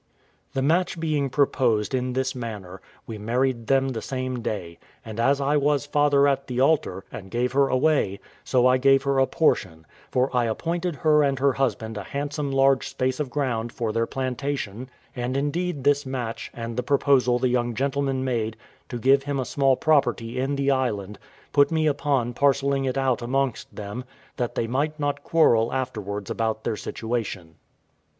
The match being proposed in this manner, we married them the same day; and as I was father at the altar, and gave her away, so I gave her a portion; for I appointed her and her husband a handsome large space of ground for their plantation; and indeed this match, and the proposal the young gentleman made to give him a small property in the island, put me upon parcelling it out amongst them, that they might not quarrel afterwards about their situation.